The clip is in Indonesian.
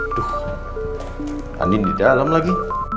aduh andin di dalam lagi